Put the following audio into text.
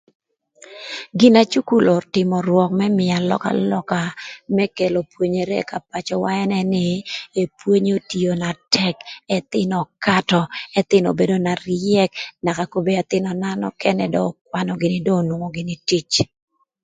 Gin na cukul ötïmö rwök më mïö alökalöka më kelo pwonyere ka pacöwa ënë nï epwonye otio na tëk ëthïnö ökatö ëthïnö obedo na ryëk naka kobedini ëthïnöna nökënë ökwanö gïnï dong onwongo gïnï tic.